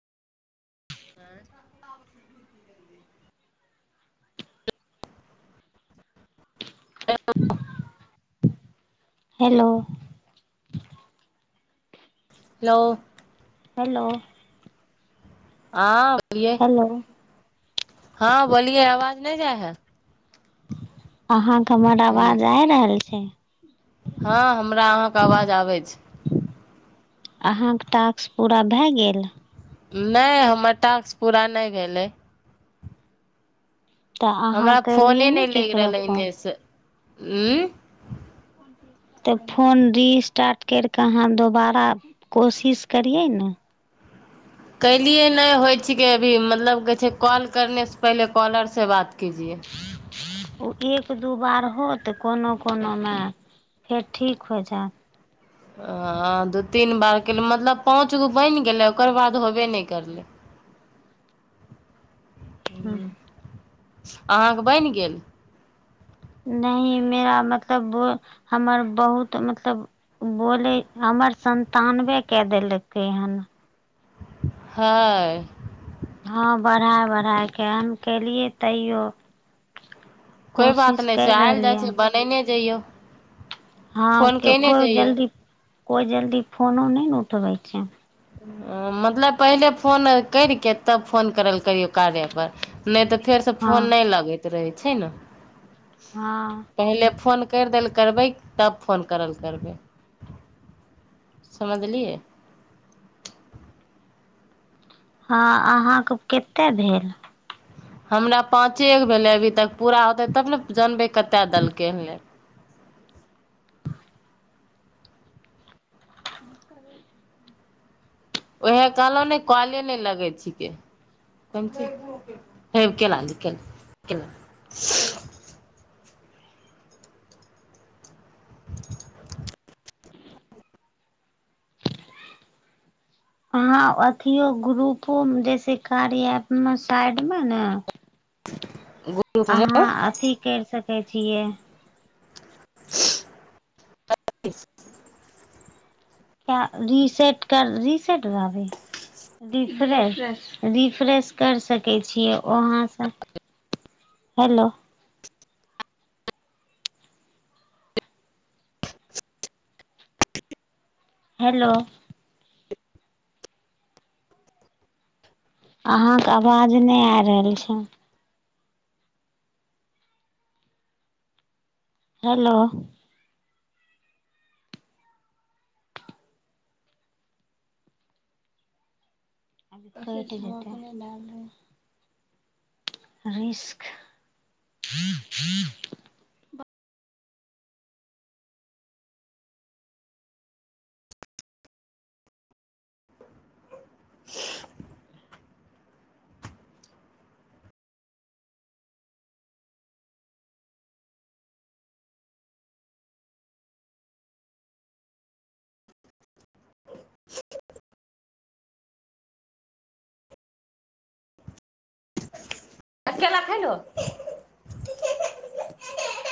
आँ [unintelligible] हेलो नओ हेलो आ हेलो हँ बोलिए आवाज नहि जाय है अहाँ हमर हेली आवाज आ रहल छै हँ हमरा अहाँके आवाज आबै छै अहाँके टास्क पूरा भए गेल नहि हमर टास्क पूरा नहि भेलै तऽ अहाँ हमरा केलियै फोने ने नहि लगि केकरो रहलै फोन एने से उ तऽ फोन रिस्टार्ट करि कऽ अहाँ दोबारा कोशिश करियै ने कलियै नहि होइ छिकै अभी मतलब कहै छै कॉल करनेसँ पहिले कॉलरसँ बात कीजिए ह हँ एक दू बार होत कोनो कोनोमे फेर ठीक हो जायत हँ दू तीन बार कली मतलब पाँच गो बनि गेलै ओकर बाद होबे नहि करलै हँ अहाँके बनि गेल नहि मेरा मतलब बो हमर बहुत मतलब बोलै हमर संन्तानबे क देलकै हन ह हँ बढ़ा बढ़ा कऽ हम केलियै तैयो कोइ बात कोशिश नहि करि छै आयल रहलियै जाइ छै हन बनने जइयो हँ के कोइ जइयौ जल्दी कोइ जल्दी फोनो नहि ने उठबै छै ह मतलब पहिले फोन करिके तब फोन करल करियौ कारे पर ने ते फेर से हँ फोन न लगेत रहै छै ने हँ पहिले फोन करि द ल करबै तब फोन करल करबै समझलियै हँ अहाँके कतेक भेल हमरा पाँचेगो भेलै अभी तक पूरा होतै तब ने जानबे कतय देलकै हन ले करब छै उएह कहलहुँ ने कले नहि लगै छिकै त हे केना जे [unintelligible] ह अथिो ग्रुपो जैसे कार्य साइड मे ने [unintelligible] अहाँ अथिी करि सक देखै छियै रिसेट कर रिसेट भी रि्रेश रिफ्रेश करि सकै छियै वहाँसँ हेलो हेलो अहाँके आवाज नहि आ रहल छै हेलो ट रस्क ह ह [unintelligible] आ केला खाय ल